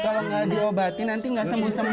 kalau nggak diobati nanti nggak sembuh sembuh